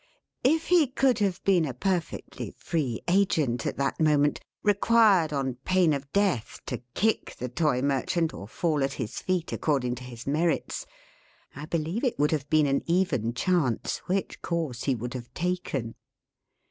If he could have been a perfectly free agent, at that moment, required, on pain of death, to kick the Toy merchant, or fall at his feet, according to his merits, I believe it would have been an even chance which course he would have taken.